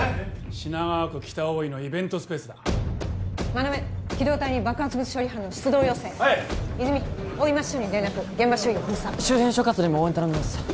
品川区北大井のイベントスペースだ馬目機動隊に爆発物処理班の出動要請はい泉大井町署に連絡現場周囲を封鎖周辺所轄にも応援頼みます